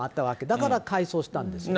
だから改装したんですね。